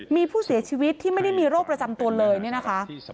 มีผู้เสียชีวิตที่ไม่ได้มีโรคประจำตัวเลยเนี่ยนะคะ